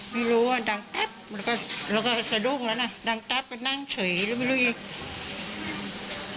ไม่รู้ว่าดังแป๊บแล้วก็สะดุ้งแล้วนะดังแป๊บก็นั่งเฉยแล้วไม่รู้อีก